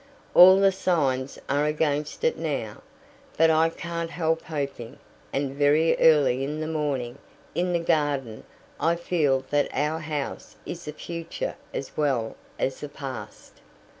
All the signs are against it now, but I can't help hoping, and very early in the morning in the garden I feel that our house is the future as well as the past."